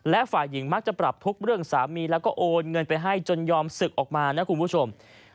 และฝ่ายหญิงมักจะปรับทุกข์เรื่องสามีแล้วก็โอนเงินไปให้จนยอมศึกออกมานะคุณผู้ชม